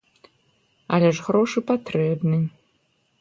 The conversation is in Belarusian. Але ж грошы патрэбны.